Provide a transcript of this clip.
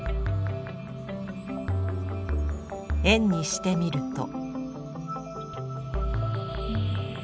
円にしてみると？